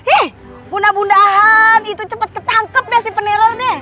ih bunda bundaan itu cepet ketangkep deh si peneror deh